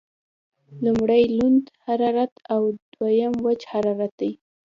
لمړی لوند حرارت او دویم وچ حرارت دی.